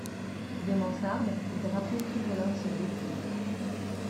Des mansardes, les drapeaux tricolores se dépliaient.